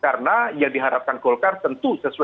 karena yang diharapkan golkar tentu sesuai dengan amanah muda